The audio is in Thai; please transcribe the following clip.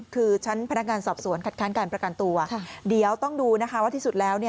คือชั้นพนักงานสอบสวนคัดค้านการประกันตัวเดี๋ยวต้องดูนะคะว่าที่สุดแล้ว